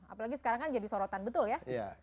apalagi sekarang kan jadi sorotan betul ya